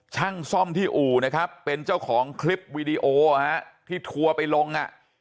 ช่างซ่อมที่อู่นะครับเป็นเจ้าของคลิปวีดีโอที่ทัวร์ไปลงอ่ะ